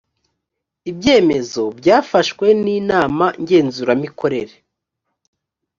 ibyemezo byafashwe n inama ngenzuramikorere